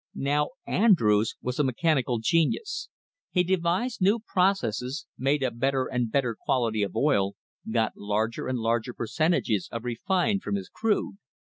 Now Andrews was a mechanical genius. He devised new processes made a better and better quality of oil, got larger and largei percentages of refined from his crude.